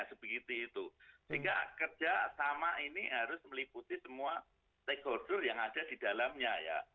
sehingga kerja sama ini harus meliputi semua tekodur yang ada di dalamnya